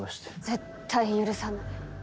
絶対許さない。